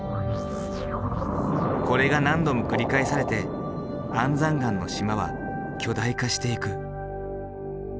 これが何度も繰り返されて安山岩の島は巨大化していく。